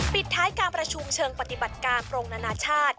ปิดท้ายการประชุมเชิงปฏิบัติการโปรงนานาชาติ